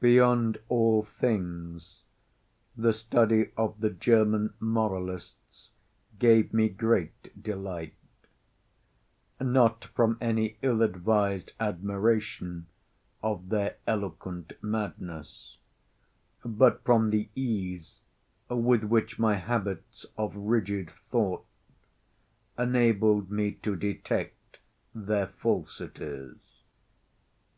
—Beyond all things, the study of the German moralists gave me great delight; not from any ill advised admiration of their eloquent madness, but from the ease with which my habits of rigid thought enabled me to detect their falsities.